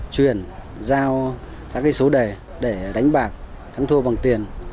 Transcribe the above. truyền giao các số đề để đánh bạc thắng thua bằng tiền